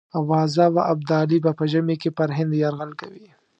آوازه وه ابدالي به په ژمي کې پر هند یرغل کوي.